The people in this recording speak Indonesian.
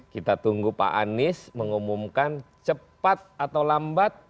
kita tunggu pak anies mengumumkan cepat atau lambat